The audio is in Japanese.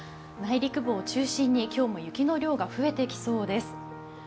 内陸部を中心に今日も雪の量が増えてきそうです。